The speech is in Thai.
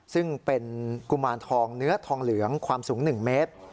ซึ่งเป็นกุมารทองเนื้อทองเหลืองความสูง๑เมตร